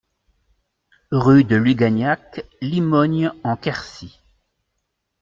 Rue de Lugagnac, Limogne-en-Quercy